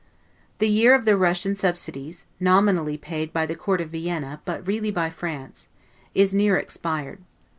The year of the Russian subsidies (nominally paid by the Court of Vienna, but really by France) is near expired.